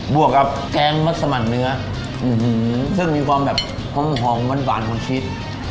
บวกกับแกงมัสมันเนื้ออื้อหือซึ่งมีความแบบหอมหอมมันหวานของชิ้น